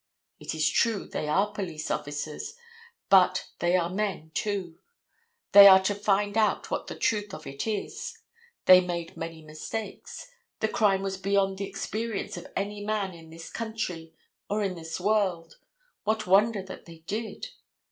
It is true they are police officers, but they are men, too. They are to find out what the truth of it is. They made many mistakes. The crime was beyond the experience of any man in this country or in this world; what wonder that they did?